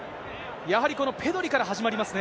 やはりこのペドリから始まりますね。